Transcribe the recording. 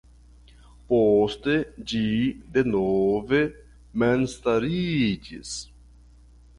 Poste ĝi denove memstariĝis.